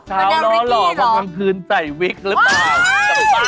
เช้าล้อหล่อมากลางคืนใส่วิกหรือเปล่า